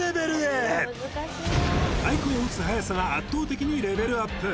太鼓を打つ速さが圧倒的にレベルアップ